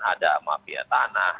ada mafia tanah